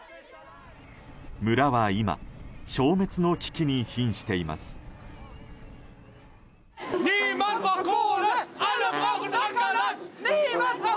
村は今、消滅の危機に瀕しています。